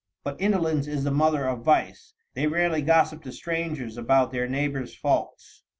But indolence is the mother of vice. They rarely gossip to strangers about their neighbors' faults.